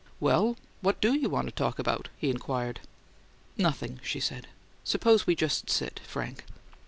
"Well, what DO you want to talk about?" he inquired. "Nothing," she said. "Suppose we just sit, Frank."